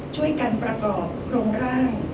ช่วยกันประกอบโครงร่าง